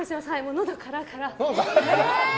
のどカラカラ。